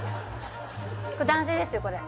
男性ですよこれ。